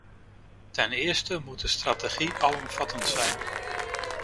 Ten eerste moet de strategie alomvattend zijn.